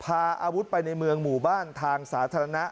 พาอาวุธไปในเมืองหมู่บ้านทางสาธารณะ